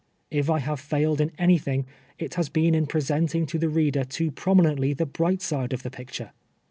If I have failed in anything, it has been in presenting to the reader too jDrominently the bright side of the picture.